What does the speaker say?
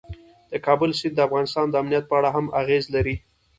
د کابل سیند د افغانستان د امنیت په اړه هم اغېز لري.